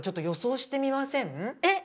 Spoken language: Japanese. えっ！